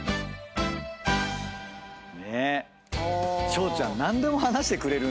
ショウちゃん何でも話してくれる。